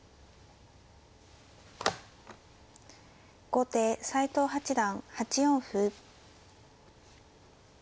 後手斎藤八段８四歩。